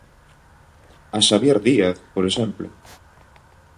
A Xabier Díaz, por exemplo.